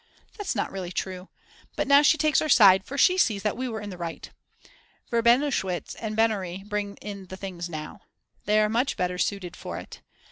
That's not really true. But now she takes our side, for she sees that we were in the right. Verbenowitsch and Bennari bring in the things now. They are much better suited for it.